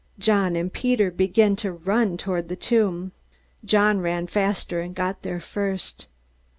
John and Peter began to run toward the tomb. John ran faster, and got there first.